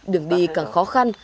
đường đi càng khó khăn